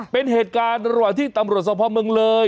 เป็นเหตุการณ์ระหว่างที่ตำรวจสภาพเมืองเลย